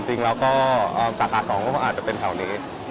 จริงแล้วก็สาขา๒ก็อาจจะเป็นแถวนี้